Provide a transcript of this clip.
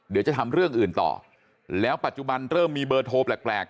เดี๋ยวจะทำเรื่องอื่นต่อแล้วปัจจุบันเริ่มมีเบอร์โทรแปลก